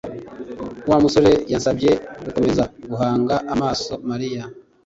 wa musore yansabye gukomeza guhanga amaso Mariya.